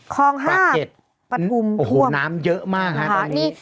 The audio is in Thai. คลองห้าปากเก็ตประทุมโอ้โหน้ำเยอะมากฮะตอนนี้